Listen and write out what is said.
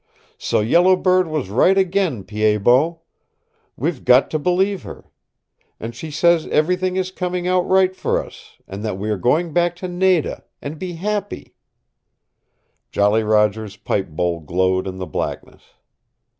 So Yellow Bird was right again, Pied Bot. We've got to believe her. And she says everything is coming out right for us, and that we are going back to Nada, and be happy " Jolly Roger's pipe bowl glowed in the blackness.